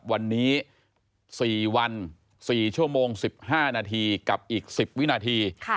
วันนี้๔วัน๔ชั่วโมง๑๕นาทีกับอีก๑๐วินาที